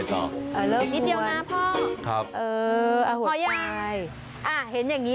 โอ้โหชอบท่าจบจังเลยคุณชอบท่านี้